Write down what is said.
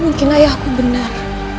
mungkin ayahku benar